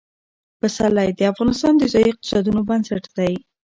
پسرلی د افغانستان د ځایي اقتصادونو بنسټ دی.